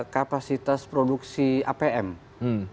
so apalagi akan aku dengar mulai